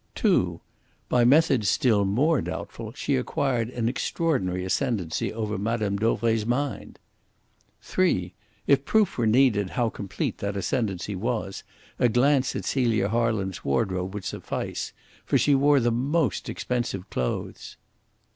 (2) By methods still more doubtful she acquired an extraordinary ascendency over Mme. Dauvray's mind. (3) If proof were needed how complete that ascendency was, a glance at Celia Harland's wardrobe would suffice; for she wore the most expensive clothes.